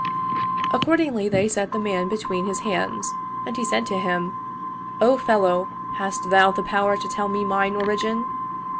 Accord ingly they set the man between his hands and he said to him, " O fellow, hast thou the power to tell me mine ori gin?